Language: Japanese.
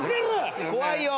怖いよ。